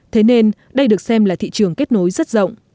thế nên đây được xem là thị trường kết nối rất rộng